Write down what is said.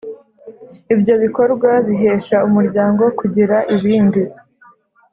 Ibyo bikorwa bihesha umuryango kugira ibindi